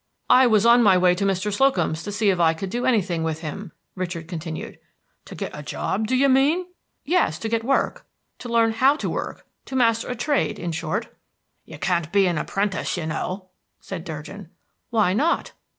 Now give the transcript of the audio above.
"I was on my way to Mr. Slocum's to see if I could do anything with him," Richard continued. "To get a job, do you mean?" "Yes, to get work, to learn how to work; to master a trade, in short." "You can't be an apprentice, you know," said Durgin. "Why not?"